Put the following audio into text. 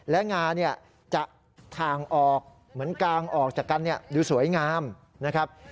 และงาเนี่ยจะทางออกเหมือนกางออกจากกันดูสวยงามนะครับ